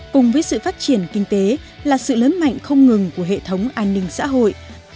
cùng với sự phát triển kinh tế là sự lớn mạnh không ngừng của hệ thống an ninh xã hội